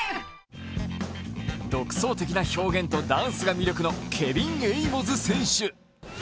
独創的な表現とダンスが魅力のケビン・エイモズ選手。